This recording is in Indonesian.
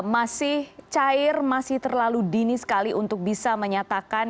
masih cair masih terlalu dini sekali untuk bisa menyatakan